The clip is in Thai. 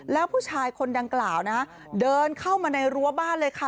แล้วผู้ชายคนดังกล่าวนะเดินเข้ามาในรั้วบ้านเลยค่ะ